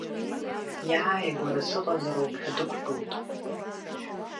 Иааигәара сыҟазароуп ҳәа дықәгылт.